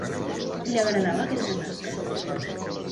Li agradava aquesta tasca?